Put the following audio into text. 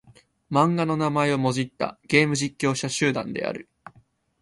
漫画の名前をもじったゲーム実況者集団である。